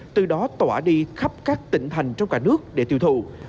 từ đó tỏa đi khắp các tỉnh thành trong cả nước để tiêu thụ